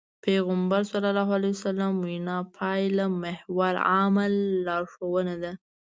پيغمبر ص وينا پايلهمحور عمل لارښوونه ده.